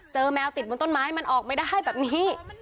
เจอแมวติดบนต้นไม้มันออกแบบนี้